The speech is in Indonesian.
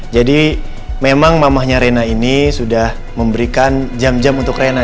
jadi memang mamahnya reina ini sudah memberikan jam jam untuk reina